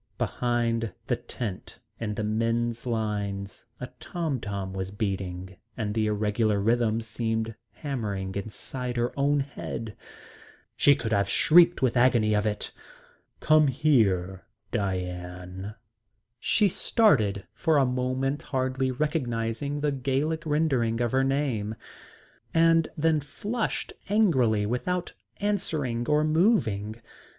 Behind the tent in the men's lines a tom tom was beating, and the irregular rhythm seemed hammering inside her own head. She could have shrieked with the agony of it. "Come here Diane." She started, for a moment hardly recognising the Gallic rendering of her name, and then flushed angrily without answering or moving.